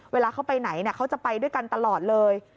เวลาเขาไปไหนเขาจะไปด้วยกันตลอดเลย